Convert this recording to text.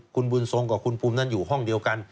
คุณบุญทรงกับคุณภูมินั้นอยู่ห้องเดียวกัน